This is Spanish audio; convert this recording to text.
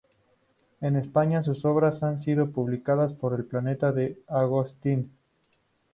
En España, sus obras han sido publicadas por Planeta de Agostini.